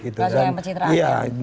suka yang pencitraan